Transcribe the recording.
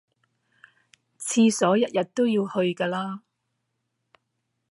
廁所日日都要去㗎啦